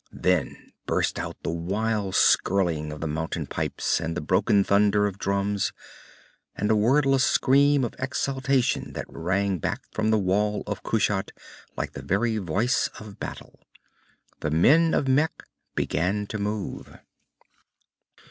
Then burst out the wild skirling of the mountain pipes and the broken thunder of drums, and a wordless scream of exultation that rang back from the Wall of Kushat like the very voice of battle. The men of Mekh began to move.